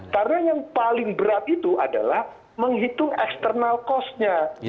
karena yang paling berat itu adalah menghitung external cost nya